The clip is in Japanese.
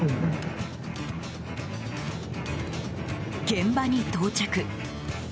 現場に到着。